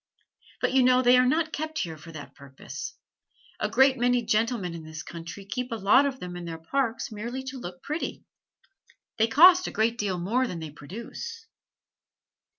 But you know they are not kept here for that purpose. A great many gentlemen in this country keep a lot of them in their parks merely to look pretty. They cost a great deal more than they produce."